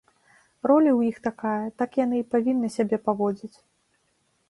Роля ў іх такая, так яны і павінны сябе паводзіць!